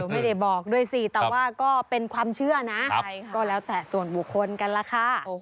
ไม่ได้บอกด้วยสิแต่ว่าก็เป็นความเชื่อนะก็แล้วแต่ส่วนบุคคลกันล่ะค่ะ